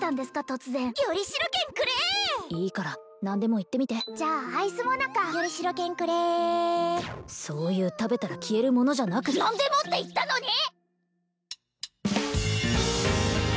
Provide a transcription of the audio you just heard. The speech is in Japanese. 突然よりしろ券くれいいから何でも言ってみてじゃあアイスもなかよりしろ券くれそういう食べたら消えるものじゃなく何でもって言ったのに！